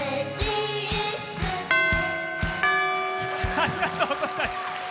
ありがとうございます。